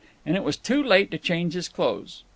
And it was too late to change his clothes.